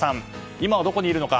今はどこにいるのか？